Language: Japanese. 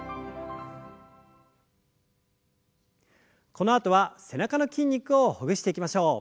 このあとは背中の筋肉をほぐしていきましょう。